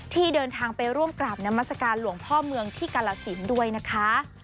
ที่เดินทางไปร่วมกราบนามัศกาลหลวงพ่อเมืองที่กาลสินด้วยนะคะ